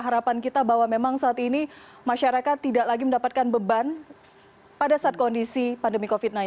harapan kita bahwa memang saat ini masyarakat tidak lagi mendapatkan beban pada saat kondisi pandemi covid sembilan belas